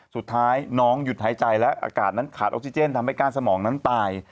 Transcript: สุดท้ายน้องหยุดหายใจและอากาศนั้นขาดออกซิเจนทำให้ก้านสมองนั้นตาย